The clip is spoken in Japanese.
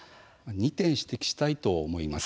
２点指摘したいと思います。